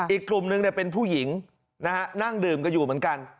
อีกกลุ่มนึงเป็นผู้หญิงนะฮะนั่งดื่มกันอยู่เหมือนกัน